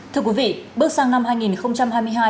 thưa quý vị bước sang năm hai nghìn hai mươi hai